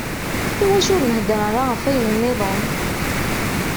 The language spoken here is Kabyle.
Iwacu ur nhedder ara ɣef ayen nniḍen?